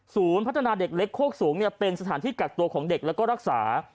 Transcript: พัฒนาเด็กเล็กโคกสูงเป็นสถานที่กักตัวของเด็กแล้วก็รักษา